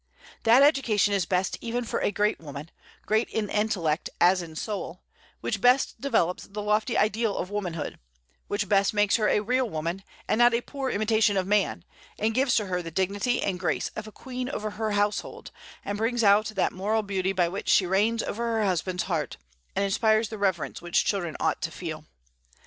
That education is best even for a great woman, great in intellect as in soul, which best develops the lofty ideal of womanhood; which best makes her a real woman, and not a poor imitation of man, and gives to her the dignity and grace of a queen over her household, and brings out that moral beauty by which she reigns over her husband's heart, and inspires the reverence which children ought to feel.